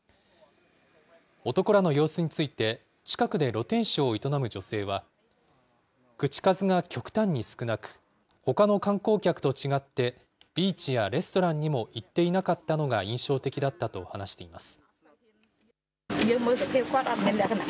男らの様子について、近くで露天商を営む女性は、口数が極端に少なく、ほかの観光客と違って、ビーチやレストランにも行っていなかったのが印象的だったと話しています。